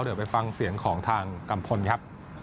เดี๋ยวไปฟังเสียงของทางกัมพลครับ